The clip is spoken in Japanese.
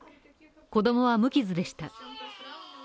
子供は無傷でした。